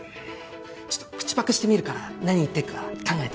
ちょっと口パクしてみるから何言ってっか考えて。